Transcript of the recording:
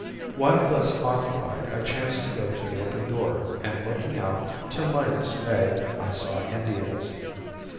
While thus occupied I chanced to go to the open door and looking out, to my dismay, I saw Indians.